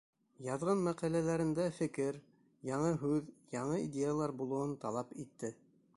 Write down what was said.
Яҙған мәҡәләләреңдә фекер, яңы һүҙ, яңы идеялар булыуын талап итте.